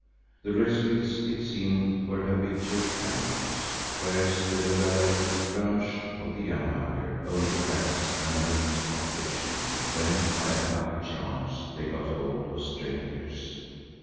The Rezuites, it seemed, were habitual cannibals, whereas the Lulalaite branch of the Amahagger only practised cannibalism occasionally when by a lucky chance they got hold of strangers.